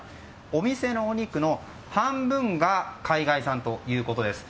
お店のお肉の半分が海外産ということです。